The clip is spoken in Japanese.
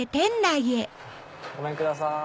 ごめんください。